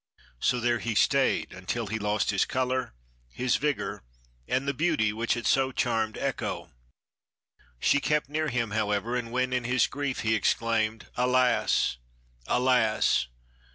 So there he stayed until he lost his color, his vigor, and the beauty which had so charmed Echo. She kept near him, however, and when, in his grief, he exclaimed, 'Alas! alas!